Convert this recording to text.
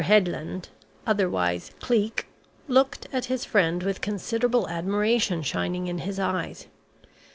Headland (otherwise Cleek) looked at his friend with considerable admiration shining in his eyes.